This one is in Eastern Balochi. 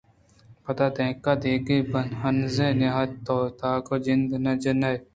پدا دانِکہ دگہ ہزّامے نئیت توتاک ءِ جند نہ جَن ئے